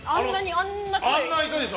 あんないたでしょ？